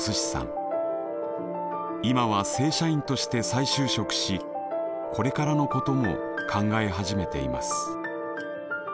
今は正社員として再就職しこれからのことも考え始めています。